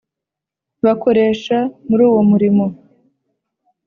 Bakoresha muri uwo murimo